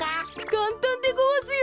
かんたんでごわすよ。